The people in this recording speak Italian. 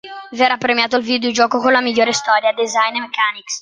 Verrà premiato il videogioco con la migliore storia, design e mechanics.